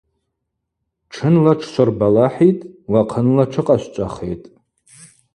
Тшынла тшшврыбалахӏитӏ, уахъынла тшыкъашвчӏвахитӏ.